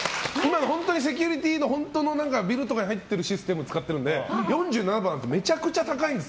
本当にセキュリティーのビルとかに入っているシステムを使ってるので４７％なんてめちゃくちゃ高いです。